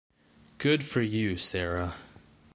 Good for you, Sarah!